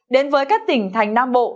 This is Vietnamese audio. đến với các tỉnh thành nam bộ